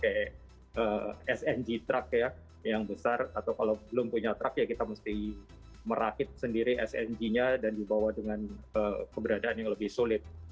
kayak sng truck ya yang besar atau kalau belum punya truck ya kita mesti merakit sendiri sng nya dan dibawa dengan keberadaan yang lebih sulit